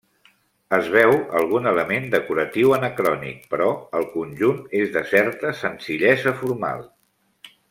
Es veu algun element decoratiu anacrònic, però el conjunt és de certa senzillesa formal.